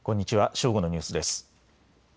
正午のニュースです。